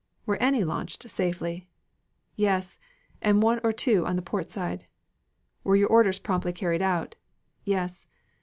"Were any launched safely?" "Yes, and one or two on the port side." "Were your orders promptly carried out?" "Yes."